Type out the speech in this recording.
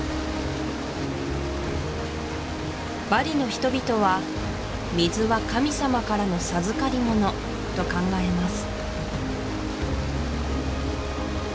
バリの人々は水は神様からの授かりものと考えます